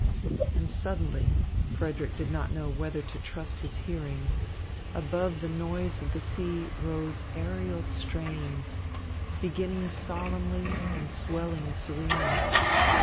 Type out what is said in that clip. And suddenly Frederick did not know whether to trust his hearing above the noise of the sea rose Ariel strains, beginning solemnly and swelling serenely.